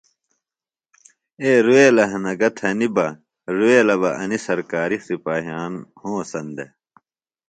اے رُویلے ہنہ گہ تھنیۡ بہ، رُویلے بہ انیۡ سرکاریۡ سِپاہیان ھونسن دےۡ